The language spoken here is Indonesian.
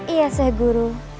iya seh guru